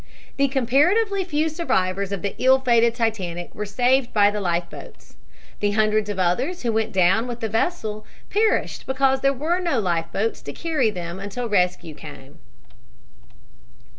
The comparatively few survivors of the ill fated Titanic were saved by the life boats. The hundreds of others who went down with the vessel perished because there were no life boats to carry them until rescue came.